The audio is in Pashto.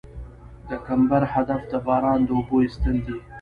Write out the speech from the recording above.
د کمبر هدف د باران د اوبو ایستل دي